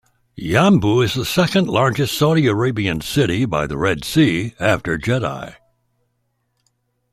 Yanbu is the second largest Saudi Arabian city by the Red Sea, after Jeddah.